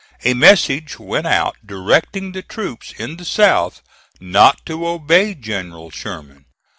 A message went out directing the troops in the South not to obey General Sherman.